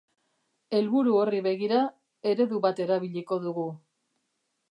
Helburu horri begira, eredu bat erabiliko dugu.